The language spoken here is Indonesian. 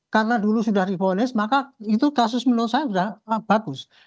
karena dulu sudah di vonis maka itu kasus menurut saya sudah bagus